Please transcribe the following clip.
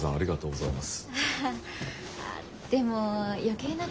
ありがとうございます。